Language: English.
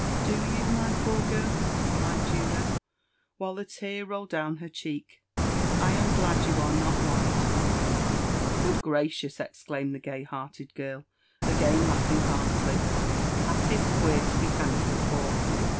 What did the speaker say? " Do you, my poor girl f replied Juno, while the tear rolled dovm her dieek. " I am glad you are not white, Phebe." " Good gracious I" exclaimed the gay hearted girl, again laughing heartily ;" that is queer to be thankful for.